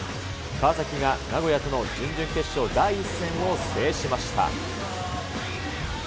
川崎が名古屋との準々決勝第１戦を制しました。